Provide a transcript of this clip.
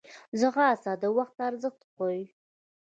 ځغاسته د وخت ارزښت ښووي